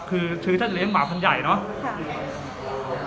คือท่านเลี้ยงหมาพันใหญ่เนอะ